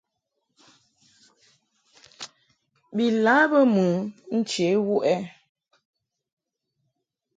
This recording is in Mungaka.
Bi lâ bə mɨ nche wuʼ ɛ ?